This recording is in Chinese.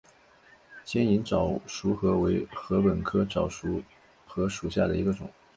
尖颖早熟禾为禾本科早熟禾属下的一个种。